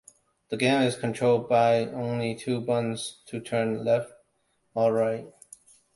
The game is controlled by only two buttons, to turn left or right.